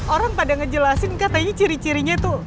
orang pada ngejelasin katanya ciri cirinya tuh